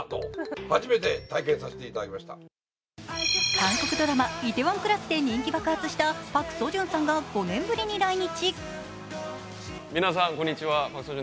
韓国ドラマ「梨泰院クラス」で人気爆発したパク・ソンジュンさんが５年ぶりに来日。